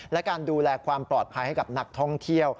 และการดูแลความปลอดภัยให้กับนักท่องเที่ยว